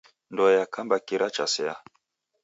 Ndoe yakamba kira chasea.